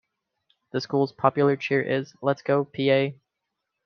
The school's popular cheer is, Let's go, Peay!